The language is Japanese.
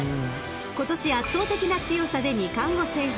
［今年圧倒的な強さで二冠を制覇］